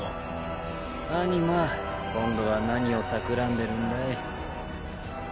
今度は何をたくらんでるんだい？